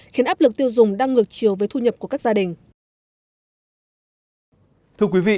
khiến áp lực tiêu dùng đang ngược chiều với thu nhập của các gia đình